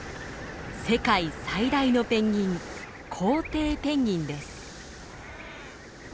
世界最大のペンギンコウテイペンギンです。